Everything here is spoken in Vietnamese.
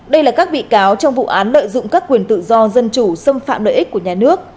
đây là các bị cáo trong vụ án lợi dụng các quyền tự do dân chủ xâm phạm lợi ích của nhà nước